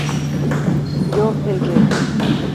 Yo el Rey".